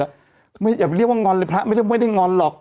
แต่ไม่ใช่ว่าพระไม่ได้ง้อนหรอก